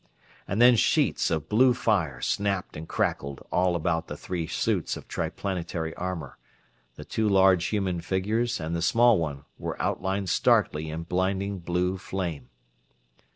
And then sheets of blue fire snapped and crackled all about the three suits of Triplanetary armor the two large human figures and the small one were outlined starkly in blinding blue flame.